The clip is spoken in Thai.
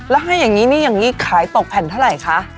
แล้วให้อย่างนี้นี่อย่างนี้ขายตกแผ่นเท่าไหร่คะ